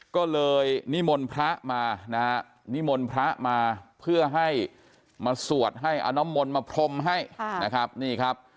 ก็เลยนิมนต์พระมานะฮะนิมนต์พระมาเพื่อให้มาสวดให้เอาน้ำมนต์มาพรมให้นะครับนี่ครับ